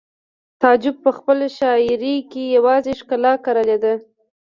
تعجب په خپله شاعرۍ کې یوازې ښکلا کرلې ده